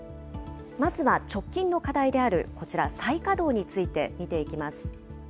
まずは直近の課題である、こちら、再稼働について見ていきます。